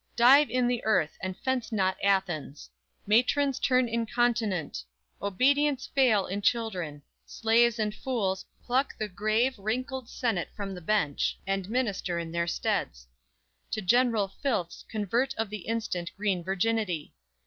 Dive in the earth, And fence not Athens! Matrons turn incontinent! Obedience fail in children! Slaves and fools, Pluck the grave, wrinkled senate from the bench And minister in their steads! To general filths Convert of the instant, green virginity!